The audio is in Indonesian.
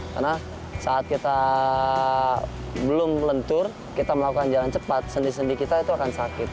karena saat kita belum melentur kita melakukan jalan cepat sendi sendi kita itu akan sakit